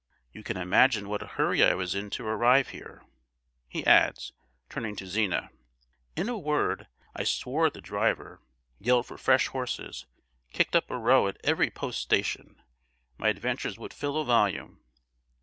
You can imagine what a hurry I was in to arrive here," he adds, turning to Zina; "in a word, I swore at the driver, yelled for fresh horses, kicked up a row at every post station: my adventures would fill a volume.